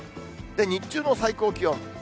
日中の最高気温。